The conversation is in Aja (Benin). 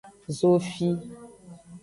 Zofi.